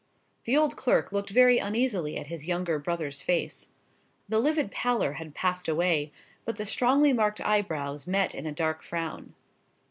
The old clerk looked very uneasily at his younger brother's face. The livid pallor had passed away, but the strongly marked eyebrows met in a dark frown.